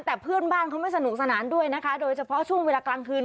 แต่เพื่อนบ้านเขาไม่สนุกสนานด้วยนะคะโดยเฉพาะช่วงเวลากลางคืน